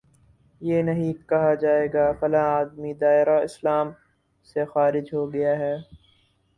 یہ نہیں کہا جائے گا کہ فلاں آدمی دائرۂ اسلام سے خارج ہو گیا ہے